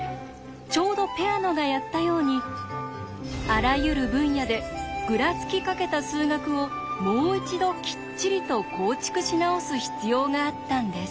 ちょうどペアノがやったようにあらゆる分野でぐらつきかけた数学をもう一度きっちりと構築し直す必要があったんです。